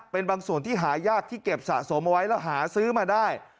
เป็นบางส่วนที่หายากที่เก็บสะสมเอาไว้แล้วหาซื้อมาได้